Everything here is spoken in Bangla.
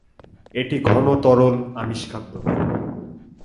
এটি ঘন তরল আমিষ খাদ্য।